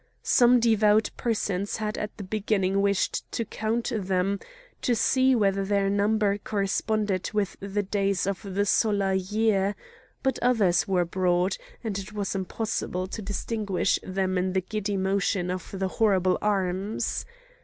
Some devout persons had at the beginning wished to count them, to see whether their number corresponded with the days of the solar year; but others were brought, and it was impossible to distinguish them in the giddy motion of the horrible arms.